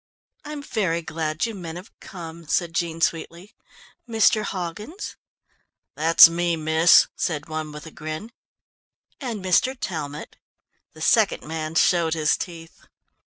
"I'm very glad you men have come," said Jean sweetly. "Mr. Hoggins " "That's me, miss," said one, with a grin. "And Mr. Talmot." The second man showed his teeth.